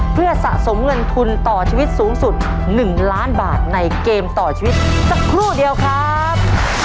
เพื่อสะสมเงินทุนต่อชีวิตสูงสุด๑ล้านบาทในเกมต่อชีวิตสักครู่เดียวครับ